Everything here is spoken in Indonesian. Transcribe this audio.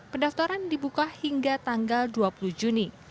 pendaftaran dibuka hingga tanggal dua puluh juni